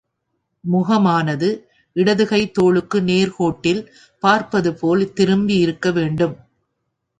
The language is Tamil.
முகமானது இடது கை தோளுக்கு நேர்க்கோட்டில் பார்ப்பது போல் திரும்பியிருக்க வேண்டும்.